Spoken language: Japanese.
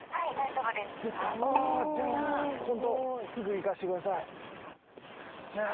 あじゃあホントすぐ行かせてください。